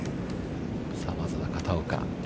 まずは片岡。